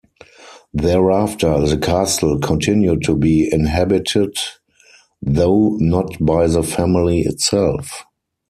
Thereafter the Castle continued to be inhabited, though not by the family itself.